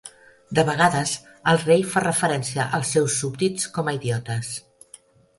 De vegades, el rei fa referència als seus súbdits com a "idiotes".